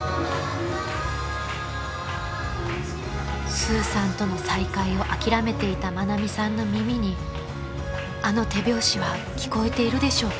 ［スーさんとの再会を諦めていた愛美さんの耳にあの手拍子は聞こえているでしょうか？］